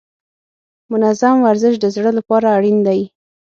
منظم ورزش د زړه لپاره اړین دی.